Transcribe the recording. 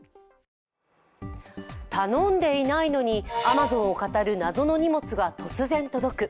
頼んでいないのにアマゾンをかたる謎の荷物が突然届く。